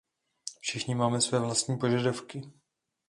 Všichni máme své vlastní požadavky.